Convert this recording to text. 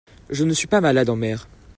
je ne suis pas malade en mer.